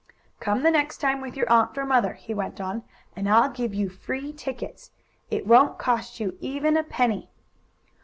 "Come the next time, with your aunt or mother," he went on, "and I'll give you free tickets. It won't cost you even a penny!"